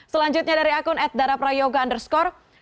selanjutnya dari akun atdaraprayoga underscore